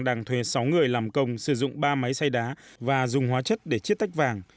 đang thuê sáu người làm công sử dụng ba máy xay đá và dùng hóa chất để chiết tách vàng